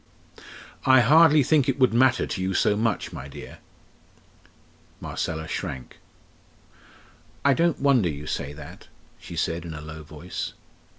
"I hardly think it would matter to you so much, my dear." Marcella shrank. "I don't wonder you say that!" she said in a low voice.